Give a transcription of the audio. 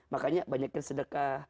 makanya banyakin sedekah